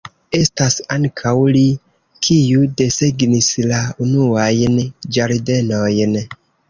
Estas ankaŭ li, kiu desegnis la unuajn ĝardenojn.